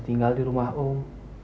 tinggal di rumah om